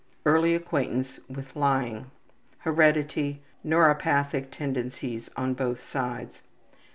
Early acquaintance with lying. Heredity: neuropathic tendencies on both sides.